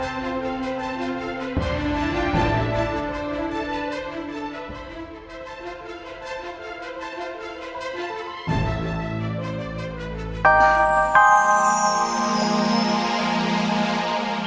jangan lupa like share dan subscribe ya